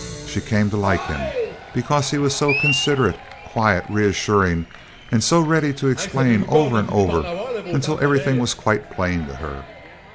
She came to like him, because he was so considerate, quiet, reassuring, and so ready to explain over and over until everything was quite plain to her.